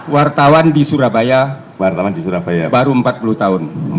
wartawan di surabaya baru empat puluh tahun